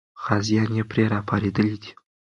غازیان یې پرې راپارېدلي دي.